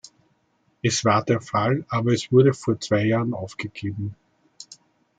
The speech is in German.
Es war der Fall, aber es wurde vor zwei Jahren aufgegeben.